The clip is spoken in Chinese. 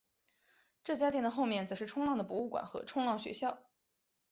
这家店的后面则是冲浪的博物馆和冲浪学校。